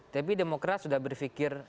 tapi demokrat sudah berfikir